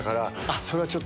それはちょっと。